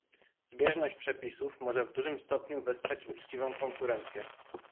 Zbieżność przepisów może w dużym stopniu wesprzeć uczciwą konkurencję